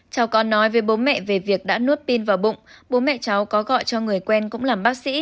cháu có nói với bố mẹ về việc đã nuốt pin vào bụng bố mẹ cháu có gọi cho người quen cũng làm bác sĩ